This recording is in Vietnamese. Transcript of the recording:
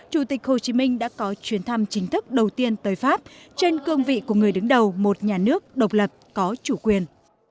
chủ tịch hồ chí minh đã có chuyến thăm chính thức đầu tiên tới pháp trên cương vị của người đứng đầu một nhà nước độc lập có chủ quyền